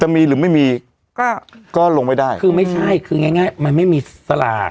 มีหรือไม่มีก็ก็ลงไม่ได้คือไม่ใช่คือง่ายง่ายมันไม่มีสลาก